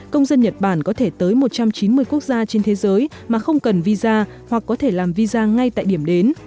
công dân nhật bản có thể tới một trăm chín mươi quốc gia trên thế giới mà không cần visa hoặc có thể làm visa ngay tại điểm đến